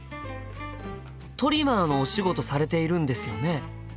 トリマーのお仕事されているんですよね？